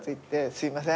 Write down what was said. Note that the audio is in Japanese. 「すいません」